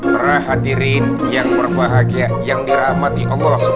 perhatirin yang berbahagia yang dirahmati allah swt